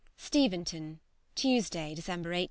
STEVENTON, Tuesday (December 18).